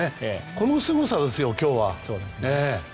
このすごさですよ、今日は。